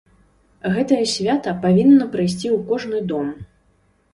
Гэтае свята павінна прыйсці ў кожны дом.